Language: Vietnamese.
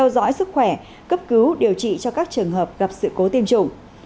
dõi sức khỏe cấp cứu điều trị cho các trường hợp gặp sự cố tiêm chủng